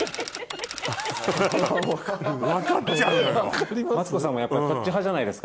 分かっちゃうのよ。